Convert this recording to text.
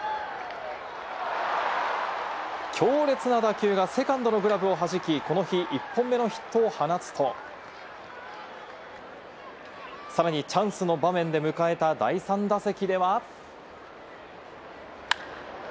強烈な打球がセカンドのグラブをはじき、この日、１本目のヒットを放つと、さらにチャンスの場面で迎えた第３打席では。